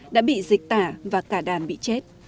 đã bị dịch tả và cả đàn bị chết